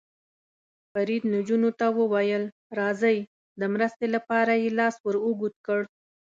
فرید نجونو ته وویل: راځئ، د مرستې لپاره یې لاس ور اوږد کړ.